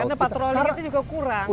karena patrolinya itu juga kurang